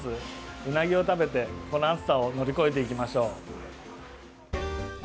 うなぎを食べて、この暑さを乗り越えていきましょう。